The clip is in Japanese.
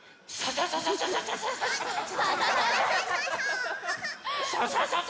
サササササ。